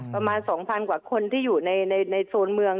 ประมาณ๒๐๐กว่าคนที่อยู่ในโซนเมือง